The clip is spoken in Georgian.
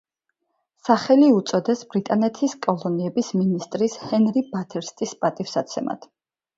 სახელი უწოდეს ბრიტანეთის კოლონიების მინისტრის ჰენრი ბათერსტის პატივსაცემად.